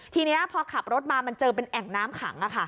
ทีนี้พอขับรถมามันเจอเป็นแอ่งน้ำขัง